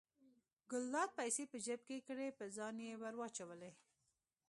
ګلداد پیسې په جب کې کړې په ځان یې ور واچولې.